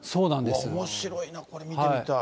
おもしろいな、見てみたい。